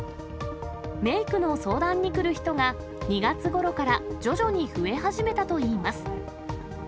メークの相談に来る人が、２月ごろから徐々に増え始めたといいます。